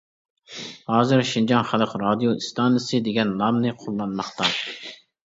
ھازىر «شىنجاڭ خەلق رادىيو ئىستانسىسى» دېگەن نامنى قوللانماقتا.